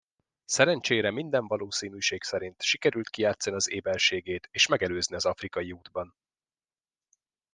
Szerencsére minden valószínűség szerint sikerült kijátszani az éberségét és megelőzni az afrikai útban.